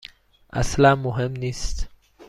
اصلا مهم نیست.